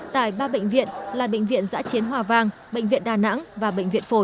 tại ba bệnh viện là bệnh viện giã chiến hòa vang bệnh viện đà nẵng và bệnh viện phổi